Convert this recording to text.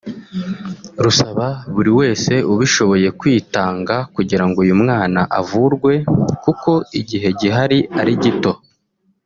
rusaba buri wese ubishoboye kwitanga kugirango uyu mwana avurwe kuko igihe gihari ari gito